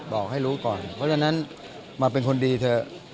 บอกให้รู้ก่อนเพราะฉะนั้นมาเป็นคนดีเถอะ